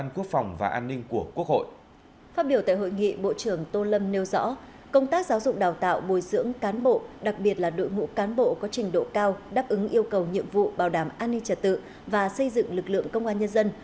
công tác giáo dục đào tạo bồi dưỡng cán bộ đặc biệt là đội ngũ cán bộ có trình độ cao đáp ứng yêu cầu nhiệm vụ bảo đảm an ninh trật tự và xây dựng lực lượng công an nhân dân